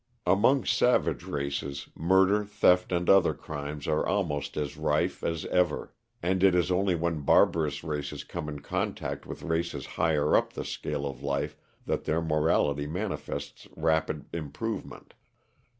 Among savage races, murder, theft and other crimes are almost as rife as ever; and it is only when barbarous races come in contact with races higher up the scale of life that their morality manifests rapid improvement.